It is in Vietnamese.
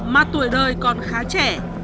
mà tuổi đời còn khá trẻ